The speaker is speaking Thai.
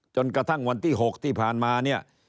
จนกระทั่งวันที่๖ที่ผ่านมาเนี่ย